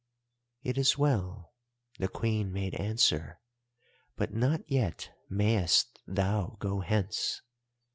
"'It is well,' the Queen made answer: 'But not yet mayest thou go hence.